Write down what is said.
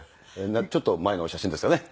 ちょっと前の写真ですかね。